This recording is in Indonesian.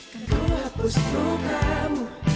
kan ku hapus rukamu